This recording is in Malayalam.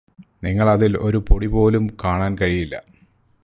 നിങ്ങള് അതിൽ ഒരു പൊടി പോലും കാണാൻ കഴിയില്ല